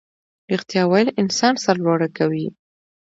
ریښتیا ویل انسان سرلوړی کوي